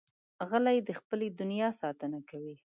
غلی، د خپلې دنیا ساتنه کوي.